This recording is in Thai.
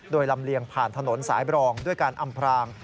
โดยลำเลียงผ่านถนนสายบรองด้วยการอำพราง